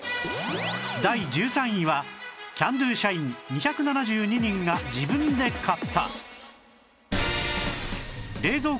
第１３位はキャンドゥ社員２７２人が自分で買った